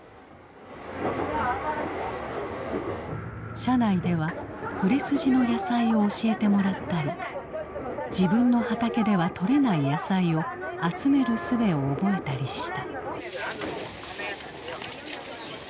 車内では売れ筋の野菜を教えてもらったり自分の畑ではとれない野菜を集める術を覚えたりした。